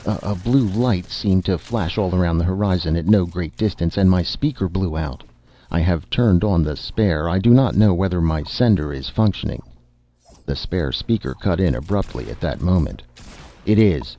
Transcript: A blue light seemed to flash all around the horizon at no great distance and my speaker blew out. I have turned on the spare. I do not know whether my sender is functioning " The spare speaker cut in abruptly at that moment: "It is.